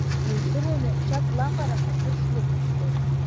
Илдыруан еҳәшьак лаҟара ҳаҭыр шлықәысҵоз.